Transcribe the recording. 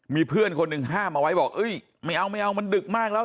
มีเพื่อนคนหนึ่งห้ามเอาไว้บอกไม่เอามันดึกมากแล้ว